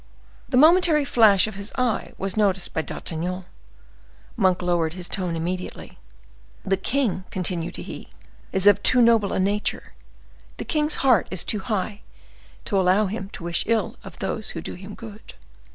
The momentary flash of his eye was noticed by D'Artagnan. Monk lowered his tone immediately: "The king," continued he, "is of too noble a nature, the king's heart is too high to allow him to wish ill to those who do him good."